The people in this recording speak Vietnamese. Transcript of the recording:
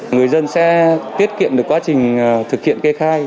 người dân sẽ tiết kiệm được quá trình thực hiện kê khai